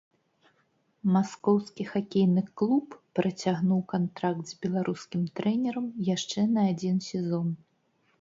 Маскоўскі хакейны клуб працягнуў кантракт з беларускім трэнерам яшчэ на адзін сезон.